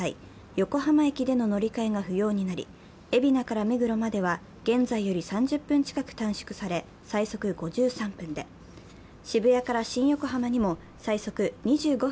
横浜駅での乗り換えが不要になり、海老名から目黒までは現在より３０分近く短縮され、最速５３分で、エステ行ってきます。